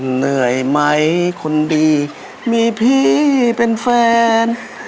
เหนื่อยไหมคนดีมีพี่เป็นแฟน